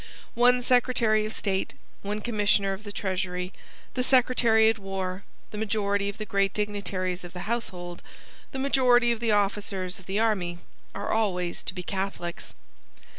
One Secretary of State, one Commissioner of the Treasury, the Secretary at War, the majority of the great dignitaries of the household, the majority of the officers of the army, are always to be Catholics.